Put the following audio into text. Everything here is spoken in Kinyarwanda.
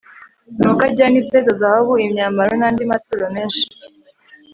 nuko ajyana ifeza, zahabu, imyambaro n'andi maturo menshi